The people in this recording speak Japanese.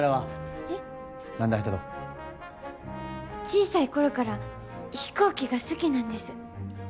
小さい頃から飛行機が好きなんです。